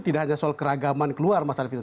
tidak hanya soal keragaman keluar masyarakat alvito